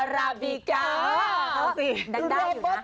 ดูเร็บบ้าจ้า